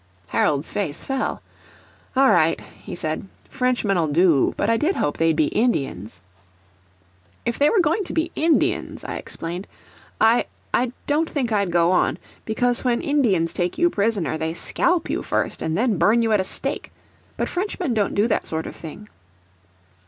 Harold's face fell. "All right," he said; "Frenchmen'll do; but I did hope they'd be Indians." "If they were going to be Indians," I explained, "I I don't think I'd go on. Because when Indians take you prisoner they scalp you first, and then burn you at a stake. But Frenchmen don't do that sort of thing."